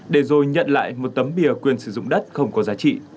để rồi nhận lại một tấm bia quyền sử dụng đất không có giá trị